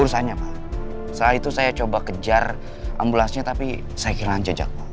urusannya pak saat itu saya coba kejar ambulansinya tapi saya kehilangan jejak pak